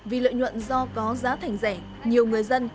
vì lợi nhuận do có giá thành rẻ nhiều người dân